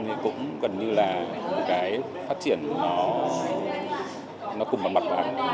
việt nam thì cũng gần như là một cái phát triển nó cùng mặt bằng